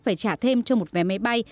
phải trả thêm cho một vé máy bay